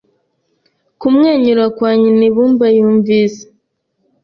kumwenyura kwa nyina ibumba yumvise